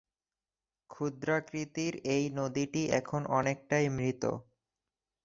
ক্ষুদ্রাকৃতির এই নদীটি এখন অনেকটাই মৃত।